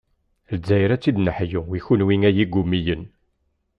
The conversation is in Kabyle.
Lezzayer ad tt-id-neḥyu, i kunwi ay igumiyen.